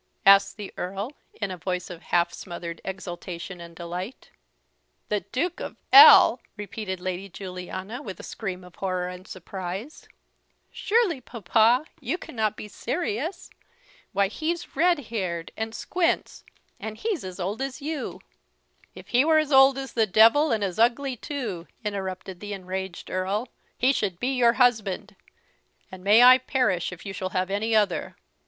asked the Earl in a voice of half smothered exultation and delight. "The Duke of L !" repeated Lady Juliana, with a scream of horror and surprise; "surely, papa, you cannot be serious? Why, he's red haired and squints, and he's as old as you." "If he were as old as the devil, and as ugly too," interrupted the enraged Earl, "he should be your husband: and may I perish if you shall have any other!"